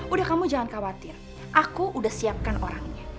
udah kamu jangan khawatir aku udah siapkan orangnya